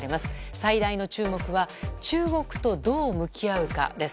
最大の注目は中国とどう向き合うかです。